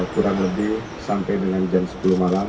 kurang lebih sampai dengan jam sepuluh malam